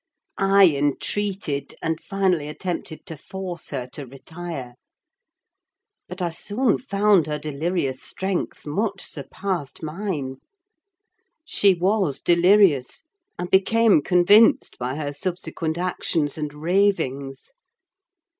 I entreated, and finally attempted to force her to retire. But I soon found her delirious strength much surpassed mine (she was delirious, I became convinced by her subsequent actions and ravings).